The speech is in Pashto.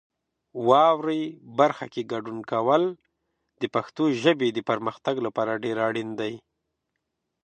واورئ برخه کې ګډون کول د پښتو ژبې د پرمختګ لپاره ډېر اړین دی.